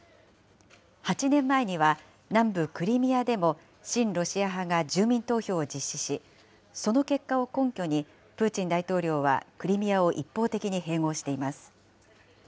８年前には、南部クリミアでも、親ロシア派が住民投票を実施し、その結果を根拠に、プーチン大統領はクリミアを一方的に併合しています。